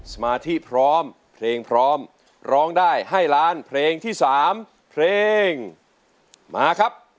สมาธิพร้อมเพลงพร้อมร้องได้ให้ล้านเพลงที่๓เพลงมาครับ